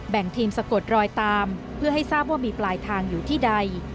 ทีมสะกดรอยตามเพื่อให้ทราบว่ามีปลายทางอยู่ที่ใด